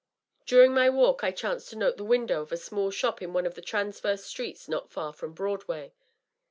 During my walk I chanced to note the window of a small shop in one of the transverse streets not far from Broadway.